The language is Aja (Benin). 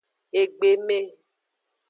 Egbeme.